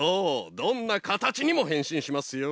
どんなかたちにもへんしんしますよ。